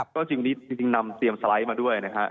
ก็จริงนี้จริงนำเตรียมสไลด์มาด้วยนะครับ